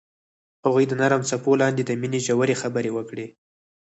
هغوی د نرم څپو لاندې د مینې ژورې خبرې وکړې.